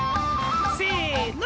せの！